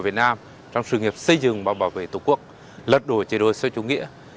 việt nam trong sự nghiệp xây dựng và bảo vệ tổ quốc lật đổi chế đội xã chủ nghĩa